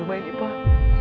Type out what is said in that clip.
lebih baik kita keluar